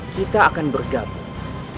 kita akan bergabung